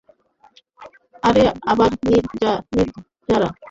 আরে আবার নির্জারা!